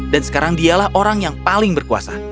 dan sekarang dialah orang yang paling berkuasa